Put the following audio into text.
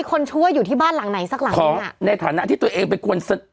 คนชั่วอยู่ที่บ้านหลังไหนสักหลังเนี้ยในฐานะที่ตัวเองเป็นคน